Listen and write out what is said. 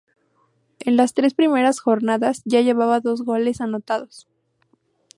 En las tres primeras jornadas ya llevaba dos goles anotados.